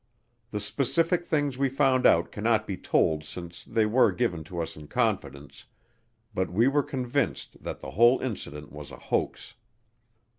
The specific things we found out cannot be told since they were given to us in confidence, but we were convinced that the whole incident was a hoax.